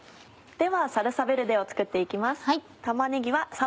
ではサルサヴェルデを作って行きます。